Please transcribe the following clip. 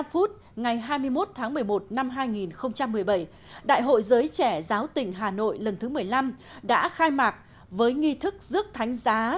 một mươi bốn h một mươi năm ngày hai mươi một tháng một mươi một năm hai nghìn một mươi bảy đại hội giới trẻ giáo tỉnh hà nội lần thứ một mươi năm đã khai mạc với nghi thức rước thánh giá